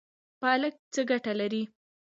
پالک څه ګټه لري؟